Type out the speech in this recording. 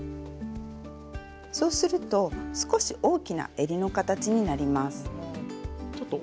そうすると少し大きなえりの形になります。